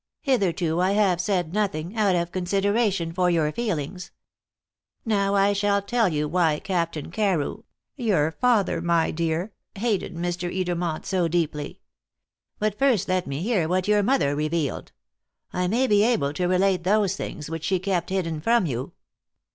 Hitherto I have said nothing, out of consideration for your feelings. Now I shall tell you why Captain Carew your father, my dear hated Mr. Edermont so deeply. But first let me hear what your mother revealed. I may be able to relate those things which she kept hidden from you."